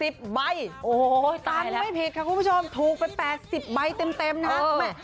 ๘๐ใบโอ้โหตังไม่ผิดค่ะคุณผู้ชมถูกเป็น๘๐ใบเต็มนะครับ